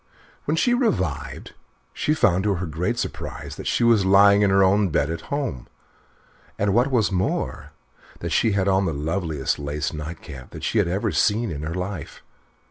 When she revived she found to her great surprise that she was lying in her own bed at home, and, what was more, that she had on the loveliest lace night cap that she had ever seen in her life.